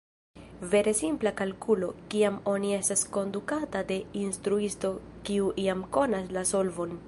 Vere simpla kalkulo, kiam oni estas kondukata de instruisto kiu jam konas la solvon.